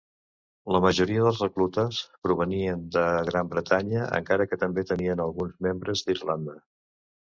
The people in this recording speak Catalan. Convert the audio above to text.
La majoria dels reclutes provenien de Gran Bretanya, encara que també tenien alguns membres d'Irlanda.